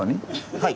はい。